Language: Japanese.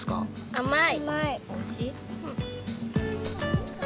甘い。